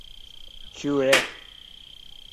Кюре!